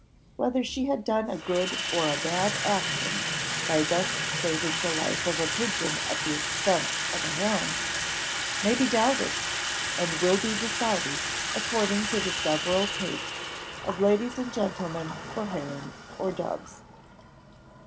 Whether she had done a good or a bad action, by thus saving the life of a pigeon at the expense of a heron, may be doubted, and will be decided according to the several tastes of ladies and gentlemen for herons or doves.